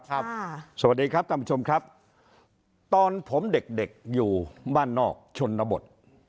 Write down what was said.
สวัสดีครับท่านผู้ชมครับตอนผมเด็กเด็กอยู่บ้านนอกชนบท